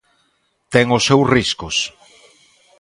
Ten os seus riscos.